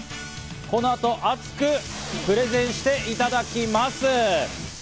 この後、熱くプレゼンしていただきます。